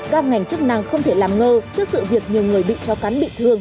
các ngành chức năng không thể làm ngơ trước sự việc nhiều người bị cho cán bị thương